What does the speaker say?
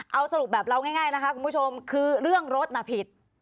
เอาสรุปแบบเราง่ายนะคะคุณผู้ชมคือเรื่องรถน่ะผิด